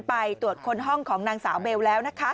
ไปตรวจค้นห้องของนางสาวเบลแล้วนะคะ